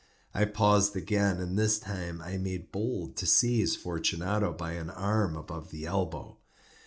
I paused again, and this time I made bold to seize Fortunato by an arm above the elbow.